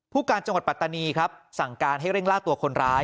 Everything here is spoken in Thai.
การจังหวัดปัตตานีครับสั่งการให้เร่งล่าตัวคนร้าย